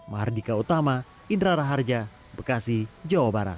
mahardika utama indra raharja bekasi jawa barat